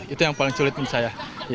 itu yang paling sulit menurut saya